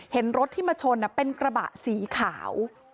เห็นรถที่มาชนเป็นกระบะสีขาว